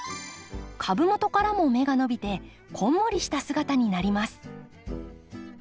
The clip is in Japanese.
株元からも芽が伸びてこんもりした姿になります。